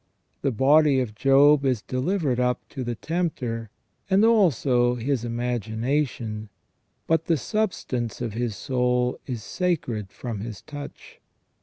The body of Job is delivered up to the tempter, and also his imagination, but the substance of the soul is sacred from his touch.